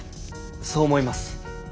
そう思います。